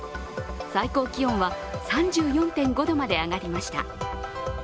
最高気温は３４．５度まで上がりました。